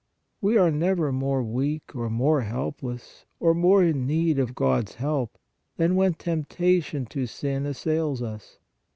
We are never more weak or more helpless, or more in need of God s help, than when temptation to sin assails us.